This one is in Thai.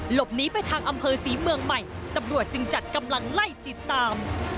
หลบหนีไปทางอำเภอศรีเมืองใหม่ตำรวจจึงจัดกำลังไล่ติดตาม